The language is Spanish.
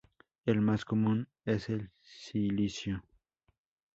El más común es el silicio.